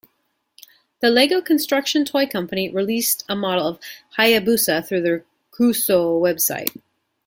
The Lego construction toy company released a model of "Hayabusa" through their Cuusoo website.